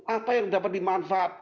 apa yang dapat dimanfaat